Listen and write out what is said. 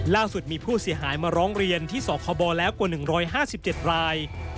ล่าสุดมีผู้เสียหายมาร้องเรียนที่สคบแล้วกว่า๑๕๗ราย